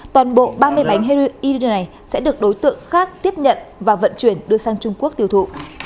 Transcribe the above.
toàn bộ ba mươi bánh heroin này sẽ được đối tượng khác tiếp nhận và vận chuyển đưa sang trung quốc tiêu thụ